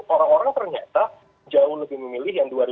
orang orang ternyata jauh lebih memilih yang dua ribu dua puluh